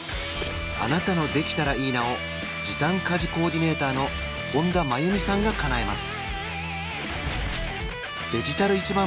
あなたの「できたらいいな」を時短家事コーディネーターの本多真弓さんがかなえます